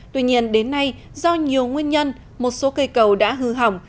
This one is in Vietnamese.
tuy nhiên đến nay do nhiều nguyên nhân một số cây cầu đã hư hỏng